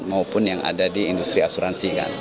maupun yang ada di industri asuransi kan